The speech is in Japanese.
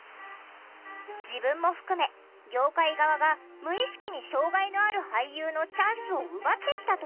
自分も含め業界側が無意識に障害のある俳優のチャンスを奪ってきたという深田さん。